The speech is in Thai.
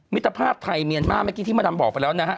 มิตรภาพไทยเมียนมาร์เมื่อกี้ที่มาดำบอกไปแล้วนะฮะ